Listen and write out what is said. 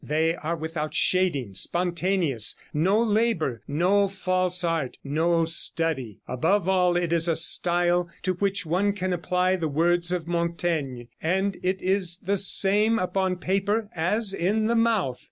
They are without shading, spontaneous, no labor, no false art, no study. Above all it is a style to which one can apply the words of Montaigne, and it is the same upon paper as in the mouth.